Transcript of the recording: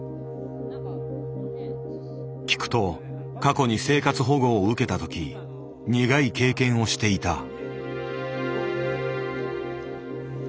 聞くと過去に生活保護を受けた時苦い経験をしていた。